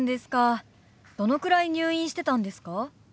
どのくらい入院してたんですか？